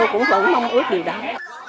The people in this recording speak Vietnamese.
không ước đủ đáng